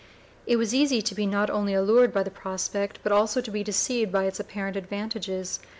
It was easy to be not only allured by the prospect but also to be deceived by its apparent advantages.